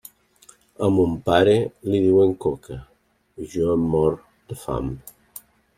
A mon pare li diuen Coca, i jo em mor de fam.